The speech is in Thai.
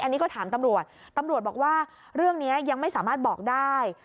อันนี้ก็ถามตำรวจตำรวจบอกว่าเรื่องนี้ยังไม่สามารถบอกได้